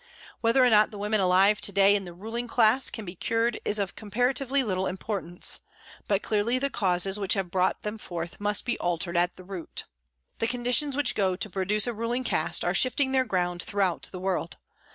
Whether or not the women alive to day in the ruling class can be cured is of comparatively little importance, but clearly the causes which have brought them forth must be altered at the root. The conditions which go to produce a ruling caste are shifting their ground throughout the world.